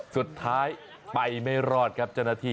สุดท้ายไปไม่รอดครับเจ้าหน้าที่